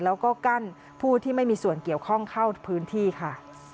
แล้วก็กั้นผู้ที่ไม่มีส่วนเกี่ยวข้องเข้าพื้นที่ค่ะ